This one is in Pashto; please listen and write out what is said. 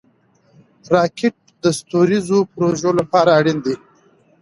راکټ د ستوریزو پروژو لپاره اړین دی